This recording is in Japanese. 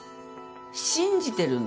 信じてるんだ。